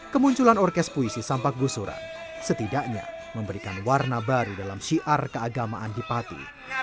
kemunculan orkes puisi sampak gusuran setidaknya memberikan warna baru dalam syiar keagamaan di pati